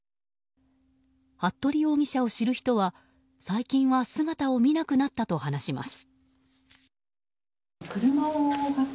服部容疑者を知る人は、最近は姿を見なくなったと話します。